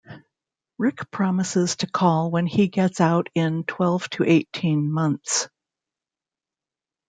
Rick promises to call when he gets out in twelve to eighteen months.